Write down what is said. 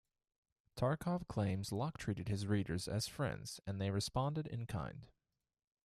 Tarcov claims Locke treated his readers as his friends and they responded in kind.